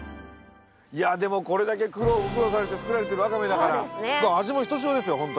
いやでもこれだけ苦労苦労されて作られてるワカメだから味もひとしおですよ